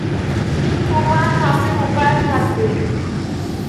তোমার হাতে উপায় থাকবেই।